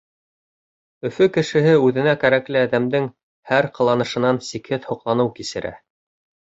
Өфө кешеһе үҙенә кәрәкле әҙәмдең һәр ҡыланышынан сикһеҙ һоҡланыу кисерә.